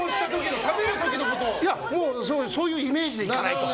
そういうイメージでいかないと。